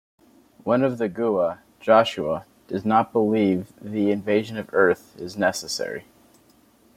One of the Gua, Joshua, does not believe the invasion of Earth is necessary.